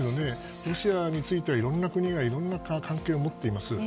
ロシアについてはいろんな国がいろんな関係を持っています。